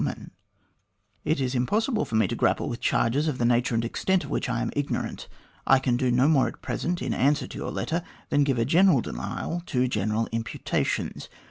A GRIEVOUS ERROR OF MR GLADSTONE'S 155 " It is impossible for me to grapple with charges of the nature and extent of which I am ignorant ; I can do no more at present in answer to your letter than give a general denial to general imputations.